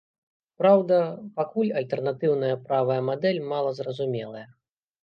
Праўда, пакуль альтэрнатыўная правая мадэль малазразумелая.